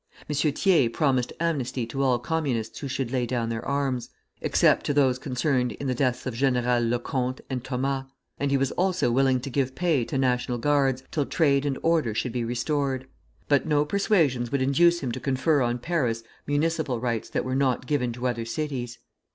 M. Thiers promised amnesty to all Communists who should lay down their arms, except to those concerned in the deaths of Generals Lecomte and Thomas, and he was also willing to give pay to National Guards till trade and order should be restored; but no persuasions would induce him to confer on Paris municipal rights that were not given to other cities.